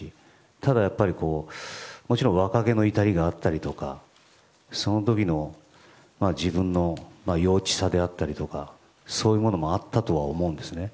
ただ、若気の至りがあったりとかその時の自分の幼稚さであったりとかそういうものもあったとは思うんですね。